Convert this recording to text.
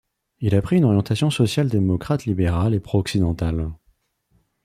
Il a pris une orientation sociale-démocrate libérale et pro-occidentale.